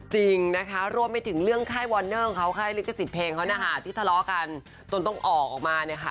จริงนะคะรวมไปถึงเรื่องค่ายวอนเนอร์ของเขาค่ายลิขสิทธิ์เพลงเขานะคะที่ทะเลาะกันจนต้องออกมาเนี่ยค่ะ